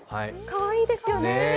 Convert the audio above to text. かわいいですよね。